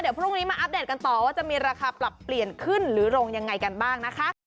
เดี๋ยวพรุ่งนี้มาอัปเดตกันต่อว่าจะมีราคาปรับเปลี่ยนขึ้นหรือลงยังไงกันบ้างนะคะ